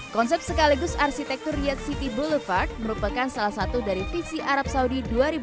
konsep sekaligus arsitektur riyad city boulevard merupakan salah satu dari visi arab saudi dua ribu dua puluh